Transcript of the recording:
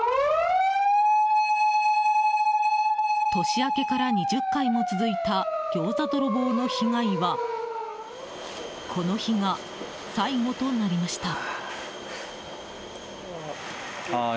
年明けから２０回も続いたギョーザ泥棒の被害はこの日が、最後となりました。